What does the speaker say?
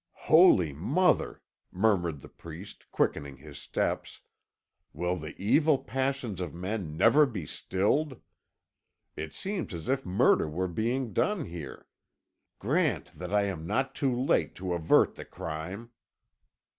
"Holy Mother!" murmured the priest, quickening his steps, "will the evil passions of men never be stilled? It seems as if murder were being done here. Grant that I am not too late to avert the crime!"